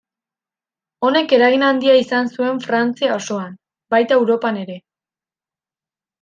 Honek eragin handia izan zuen Frantzia osoan, baita Europan ere.